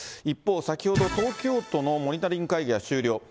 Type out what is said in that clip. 一方、先ほど東京都のモニタリング会議が終了。